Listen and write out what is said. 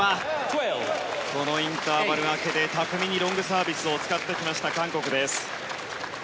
このインターバル明けで巧みにロングサービスを使ってきました韓国です。